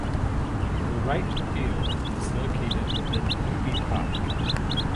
Wright Field was located within Newby Park.